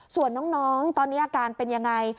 ส่วนน้องตอนนี้อาการเป็นยังไง